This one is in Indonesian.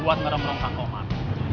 buat ngerem rem kang komar